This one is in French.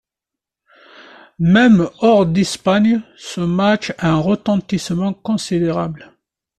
Même hors d'Espagne, ce match a un retentissement considérable.